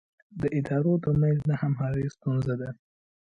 د ادارو ترمنځ نه همغږي ستونزه ده.